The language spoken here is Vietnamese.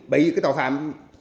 bởi vì tội phạm